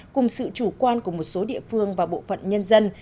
cùng sự chủ quan của một số địa phương và bộ phận nhân dân